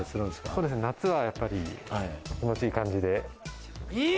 そうですね、夏はやっぱり気持ちいい感じで。